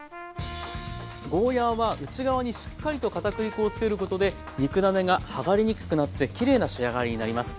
ゴーヤーは内側にしっかりとかたくり粉をつけることで肉ダネがはがれにくくなってきれいな仕上がりになります。